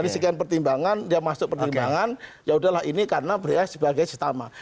dari sekian pertimbangan dia masuk pertimbangan yaudahlah ini karena beras sebagai setama